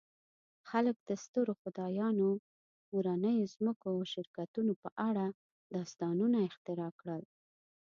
خلک د سترو خدایانو، مورنیو ځمکو او شرکتونو په اړه داستانونه اختراع کړل.